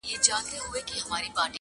• ستا په قسمت کښلې ترانه یمه شرنګېږمه-